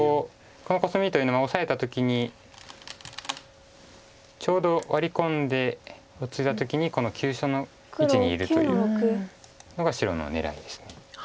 このコスミというのはオサえた時にちょうどワリ込んでツイだ時にこの急所の位置にいるというのが白の狙いです。